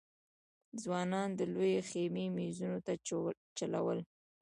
ځوانانو د لويې خېمې مېزونو ته چلول.